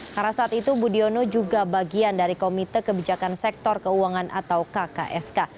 karena saat itu budiono juga bagian dari komite kebijakan sektor keuangan atau kksk